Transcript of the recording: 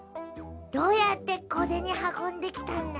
どうやって小ゼニ運んできたんだ？